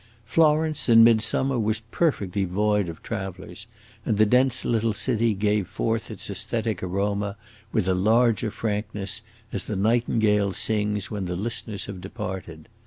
Florence in midsummer was perfectly void of travelers, and the dense little city gave forth its aesthetic aroma with a larger frankness, as the nightingale sings when the listeners have departed.